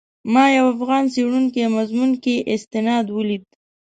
ما یو افغان څېړونکي مضمون کې استناد ولید.